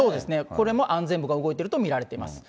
これも安全部が動いていると見られています。